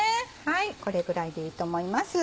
これぐらいでいいと思います。